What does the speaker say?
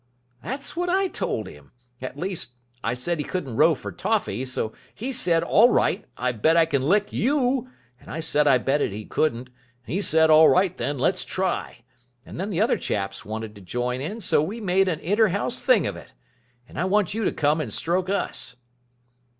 "That's what I told him. At least, I said he couldn't row for toffee, so he said all right, I bet I can lick you, and I said I betted he couldn't, and he said all right, then, let's try, and then the other chaps wanted to join in, so we made an inter house thing of it. And I want you to come and stroke us."